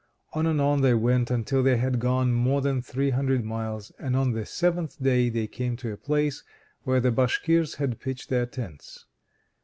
On and on they went until they had gone more than three hundred miles, and on the seventh day they came to a place where the Bashkirs had pitched their tents.